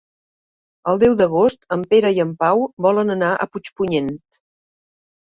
El deu d'agost en Pere i en Pau volen anar a Puigpunyent.